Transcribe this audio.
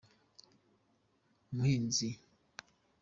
umuhinzi.